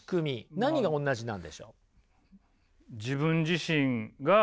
何が同じなんでしょう？